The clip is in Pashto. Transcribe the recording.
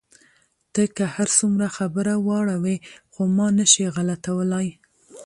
ته که هر څومره خبره واړوې، خو ما نه شې غلتولای.